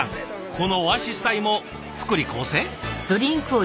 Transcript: このオアシス隊も福利厚生？